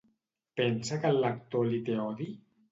Pensa que el lector li té odi?